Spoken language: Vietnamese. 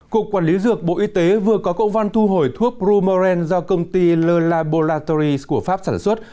cục quản lý dược bộ y tế vừa có cộng văn thu hồi thuốc brumeren do công ty le laboratories của pháp sản xuất